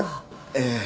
ええ。